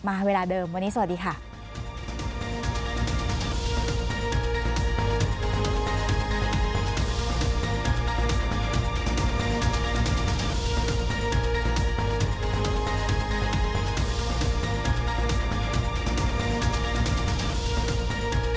สวัสดีครับ